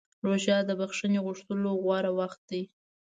روژه د بښنې غوښتلو غوره وخت دی.